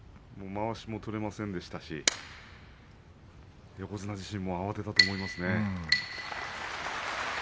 まわしも取れませんでしたし横綱自身も慌てたと思いますね。